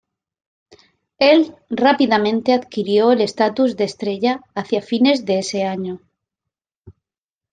El rápidamente adquirió el estatus de estrella hacia fines de ese año.